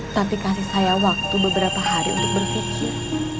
tapi kasih saya waktu beberapa hari untuk berpikir